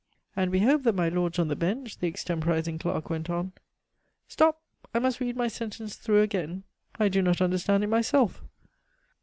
"And we hope that my lords on the Bench," the extemporizing clerk went on. "Stop! I must read my sentence through again. I do not understand it myself."